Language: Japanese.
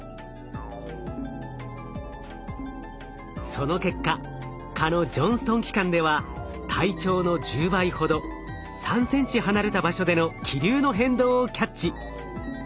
その結果蚊のジョンストン器官では体長の１０倍ほど３ｃｍ離れた場所での気流の変動をキャッチ。